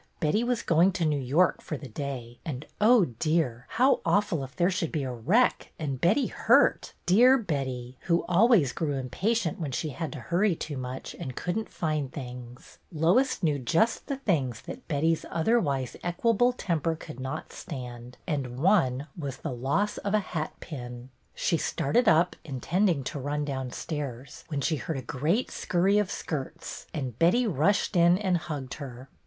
Betty was going to New York for the day, and, oh dear, how awful if there should be a wreck and Betty hurt, — dear Betty, who always grew im patient when she had to hurry too much and could n't find things ! Lois knew just the things that Betty's otherwise equable temper could not stand, and one was the loss of a hatpin. She started up, intending to run downstairs, when she heard a great scurry of skirts, and Betty rushed in and hugged her.